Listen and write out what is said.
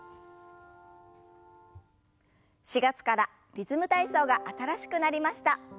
４月から「リズム体操」が新しくなりました。